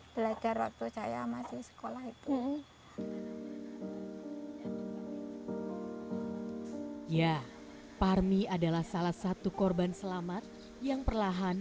belajar waktu saya masih sekolah itu ya parmi adalah salah satu korban selamat yang perlahan